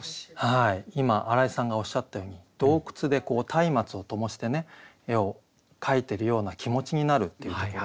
今荒井さんがおっしゃったように洞窟でたいまつをともしてね絵を描いてるような気持ちになるっていうところ。